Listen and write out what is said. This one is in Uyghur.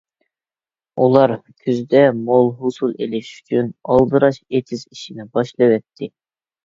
ئۇلار كۈزدە مول ھوسۇل ئېلىش ئۈچۈن ئالدىراش ئېتىز ئىشىنى باشلىۋەتتى.